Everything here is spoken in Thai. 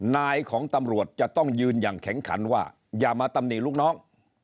นายของตำรวจจะต้องยืนอย่างแข็งขันว่าอย่ามาตำหนิลูกน้อง